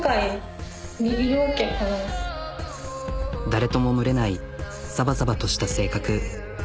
誰とも群れないサバサバとした性格。